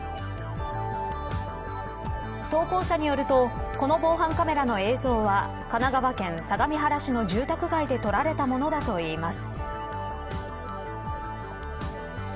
投稿者によるとこの防犯カメラの映像は神奈川県相模原市の住宅街で撮られたものだといいます。